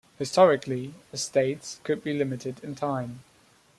Historically, estates could be limited in time.